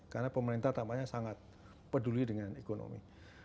karena pemerintah tampaknya sangat peduli dengan ekonomi